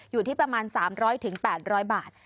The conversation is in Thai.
อยู่ที่ประมาณ๓๐๐๘๐๐บาท